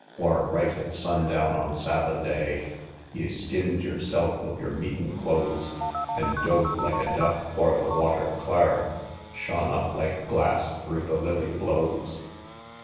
Whar, right at sundown on Sabba'day, Ye skinn'd yerself of yer meetin' clothes, An dove, like a duck, whar the water clar Shone up like glass through the lily blows?